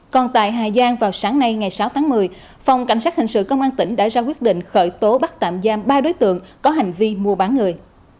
còn tại hà giang vào sáng nay ngày sáu tháng một mươi phòng cảnh sát hình sự công an tỉnh đã ra quyết định khởi tố bắt tạm giam ba đối tượng có hành vi mua bán người